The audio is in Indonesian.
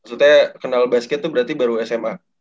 maksudnya kenal basket itu berarti baru sma